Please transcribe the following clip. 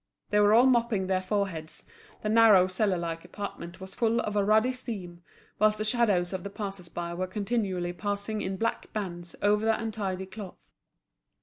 They were all mopping their foreheads, the narrow cellar like apartment was full of a ruddy steam, whilst the shadows of the passers by were continually passing in black bands over the untidy cloth.